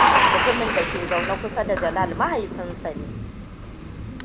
Mutumin dake zaune kusa da Jalal maihaifin shi ne.